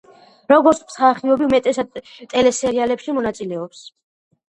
როგორც მსახიობი უმეტესად ტელესერიალებში მონაწილეობს.